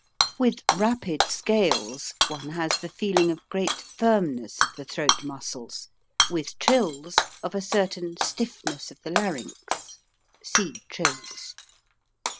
With rapid scales one has the feeling of great firmness of the throat muscles, with trills of a certain stiffness of the larynx. (See "Trills.")